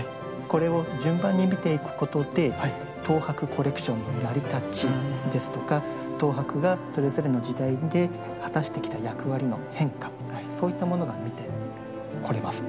これを順番に見ていくことで東博コレクションの成り立ちですとか東博がそれぞれの時代で果たしてきた役割の変化そういったものが見てこれます。